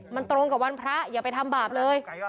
มันตรงกับวันพระอย่าไปทำบาปเลย